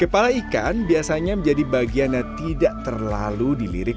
kepala ikan biasanya menjadi bagian yang tidak terlalu dilirik